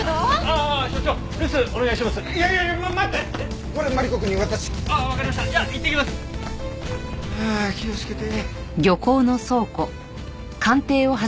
ああ気をつけて。